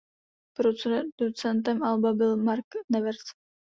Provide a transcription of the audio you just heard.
Producentem alba byl Mark Nevers.